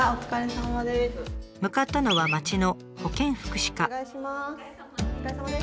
向かったのは町の保健福祉課。